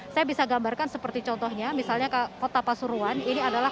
saya bisa gambarkan seperti contohnya misalnya ke kota pasuruan ini adalah